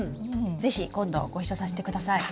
是非今度ご一緒させてください。